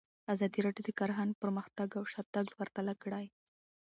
ازادي راډیو د کرهنه پرمختګ او شاتګ پرتله کړی.